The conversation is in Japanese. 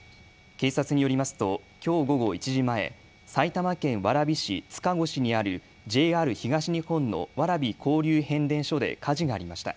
警察によりますときょう午後１時前、埼玉県蕨市塚越にあるＪＲ東日本の蕨交流変電所で火事がありました。